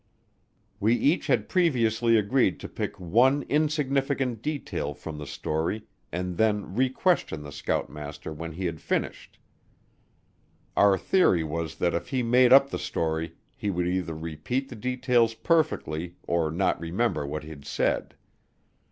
We each had previously agreed to pick one insignificant detail from the story and then re question the scoutmaster when he had finished. Our theory was that if he had made up the story he would either repeat the details perfectly or not remember what he'd said.